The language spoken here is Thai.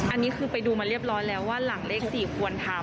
อันนี้คือไปดูมาเรียบร้อยแล้วว่าหลังเลข๔ควรทำ